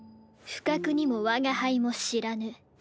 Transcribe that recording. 不覚にも我が輩も知らぬ。